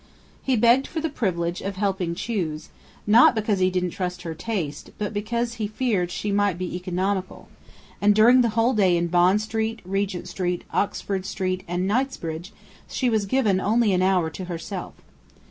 He begged for the privilege of "helping choose," not because he didn't trust her taste, but because he feared she might be economical; and during the whole day in Bond Street, Regent Street, Oxford Street, and Knightsbridge she was given only an hour to herself.